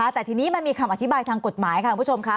แต่ทีนี้มันมีคำอธิบายทางกฎหมายค่ะคุณผู้ชมค่ะ